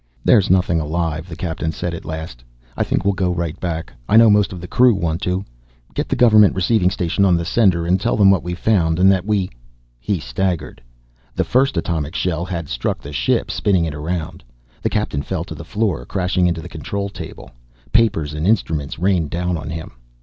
"There's nothing alive," the Captain said at last. "I think we'll go right back; I know most of the crew want to. Get the Government Receiving Station on the sender and tell them what we found, and that we " He staggered. The first atomic shell had struck the ship, spinning it around. The Captain fell to the floor, crashing into the control table. Papers and instruments rained down on him.